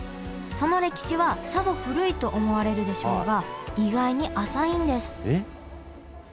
その歴史はさぞ古いと思われるでしょうが意外に浅いんですえっ？